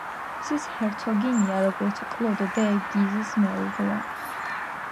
გიზის ჰერცოგინია როგორც კლოდ დე გიზის მეუღლე.